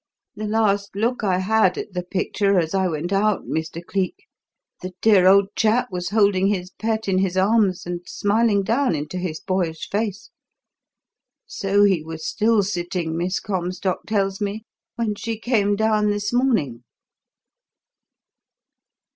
The last look I had at the picture as I went out, Mr. Cleek, the dear old chap was holding his pet in his arms and smiling down into his boyish face. So he was still sitting, Miss Comstock tells me, when she came down this morning.